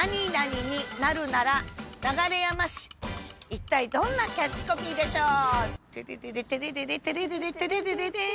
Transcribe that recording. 一体どんなキャッチコピーでしょう？